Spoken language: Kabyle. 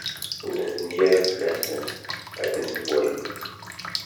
Ur tebni ara fell-asent ad tent-twali.